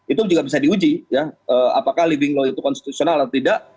itu juga bisa diuji ya apakah living law itu konstitusional atau tidak